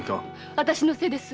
私のせいです。